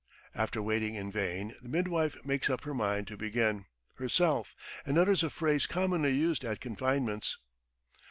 After waiting in vain, the midwife makes up her mind to begin herself, and utters a phrase commonly used at confinements.